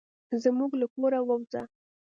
زموږ له کوره ووزه.